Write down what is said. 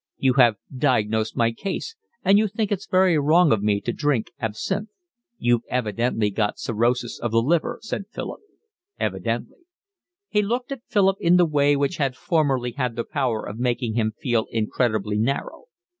"You have diagnosed my case, and you think it's very wrong of me to drink absinthe." "You've evidently got cirrhosis of the liver," said Philip. "Evidently." He looked at Philip in the way which had formerly had the power of making him feel incredibly narrow.